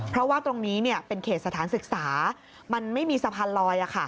เพราะว่าตรงนี้เป็นเขตสถานศึกษามันไม่มีสะพานลอย